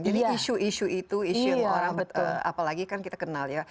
isu isu itu isu yang orang apalagi kan kita kenal ya